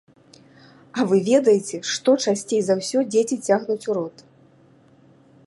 А вы ведаеце, што часцей за ўсё дзеці цягнуць у рот?